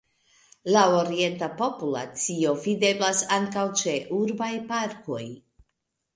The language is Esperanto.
La orienta populacio videblas ankaŭ ĉe urbaj parkoj.